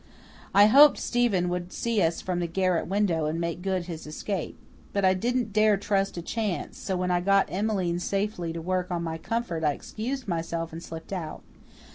I hoped Stephen would see us from the garret window and make good his escape. But I didn't dare trust to chance, so when I got Emmeline safely to work on my comfort I excused myself and slipped out.